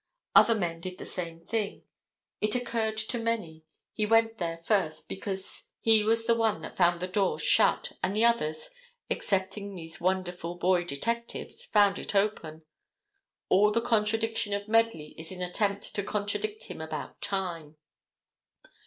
Other men did the same thing. It occurred to many, he went there first because he was the one that found the door shut, and the others, excepting these wonderful boy detectives, found it open. All the contradiction of Medley is an attempt to contradict him about time.